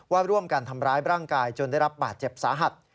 ร่วมกันทำร้ายร่างกายจนได้รับบาดเจ็บสาหัส